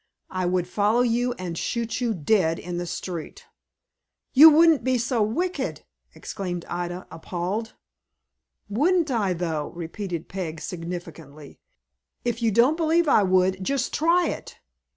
I would follow you and shoot you dead in the street." "You wouldn't be so wicked!" exclaimed Ida, appalled. "Wouldn't I, though?" repeated Peg, significantly. "If you don't believe I would, just try it.